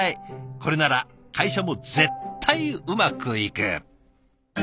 これなら会社も絶対うまくいく。